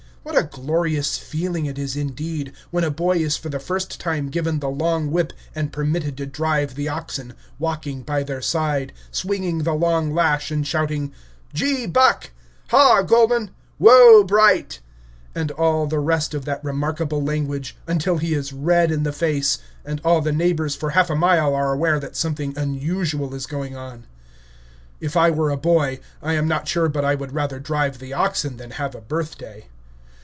What a glorious feeling it is, indeed, when a boy is for the first time given the long whip and permitted to drive the oxen, walking by their side, swinging the long lash, and shouting "Gee, Buck!" "Haw, Golden!" "Whoa, Bright!" and all the rest of that remarkable language, until he is red in the face, and all the neighbors for half a mile are aware that something unusual is going on. If I were a boy, I am not sure but I would rather drive the oxen than have a birthday.